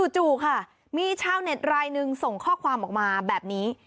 จู่ค่ะมีชาวเน็ตรายหนึ่งส่งข้อความออกมาแบบนี้